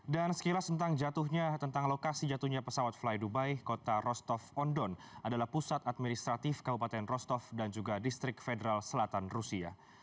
dan sekilas tentang jatuhnya tentang lokasi jatuhnya pesawat fly dubai kota rostov on don adalah pusat administratif kabupaten rostov dan juga distrik federal selatan rusia